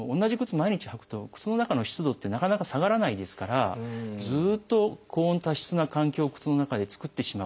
毎日履くと靴の中の湿度ってなかなか下がらないですからずっと高温多湿な環境を靴の中で作ってしまうと。